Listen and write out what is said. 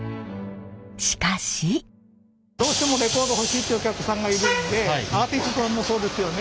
しかし！どうしてもレコード欲しいっていうお客さんがいるんでアーティストさんもそうですよね。